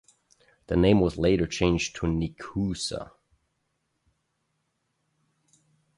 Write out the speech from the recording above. The name was later changed to Nekoosa.